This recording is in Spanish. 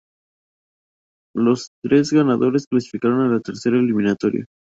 Los tres ganadores clasificaron a la tercera eliminatoria.